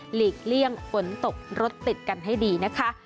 หลีกเลี่ยงฝนตกรถติดกันให้ดีนะคะ